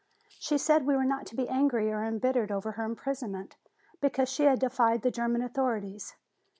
She said we were not to be angry or embittered over her imprisonment, because she had defied the German authorities.